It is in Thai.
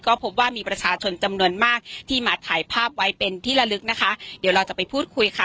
ก็พบว่ามีประชาชนจำนวนมากที่มาถ่ายภาพไว้เป็นที่ละลึกนะคะเดี๋ยวเราจะไปพูดคุยค่ะ